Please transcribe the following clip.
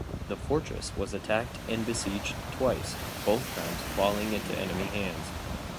The fortress was attacked and besieged twice, both times falling into enemy hands.